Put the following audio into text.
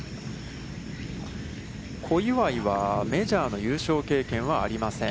小祝は、メジャーの優勝経験はありません。